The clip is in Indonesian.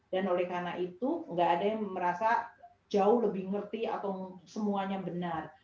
dan oleh karena itu tidak ada yang merasa jauh lebih mengerti atau semuanya benar